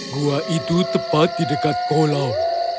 gua itu tepat di dekat kolam